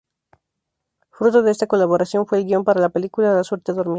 Fruto de esta colaboración fue el guion para la película "La suerte dormida.